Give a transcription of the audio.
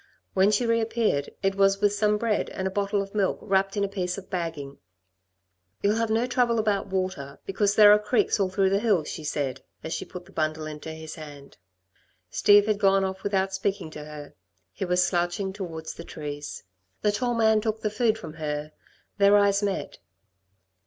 When she reappeared, it was with some bread and a bottle of milk wrapped in a piece of bagging. "You'll have no trouble about water, because there are creeks all through the hills," she said, as she put the bundle into his hand. Steve had gone off without speaking to her. He was slouching towards the trees. The tall man took the food from her. Their eyes met.